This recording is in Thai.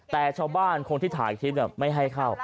แต่ชาวบ้านคนที่ถ่ายคลิปไม่ให้เข้า